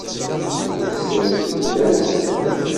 Ur skerkiset ara fell-as.